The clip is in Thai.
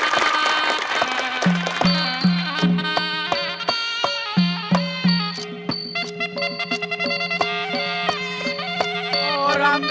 สวัสดีครับ